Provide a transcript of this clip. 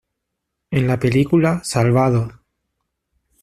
En la película "¡Salvados!